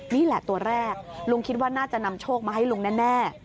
นี่แหละตัวแรกลุงคิดว่าน่าจะนำโชคมาให้ลุงแน่